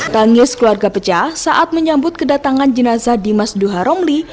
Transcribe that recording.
tangis keluarga pecah saat menyambut kedatangan jenazah dimas duharomli